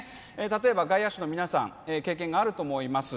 例えば外野手の皆さん経験があると思います